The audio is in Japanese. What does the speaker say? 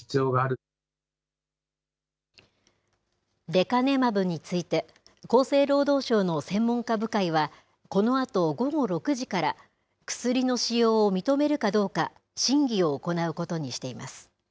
レカネマブについて、厚生労働省の専門家部会は、このあと午後６時から、薬の使用を認めるかどうか、審議を行うことにしています。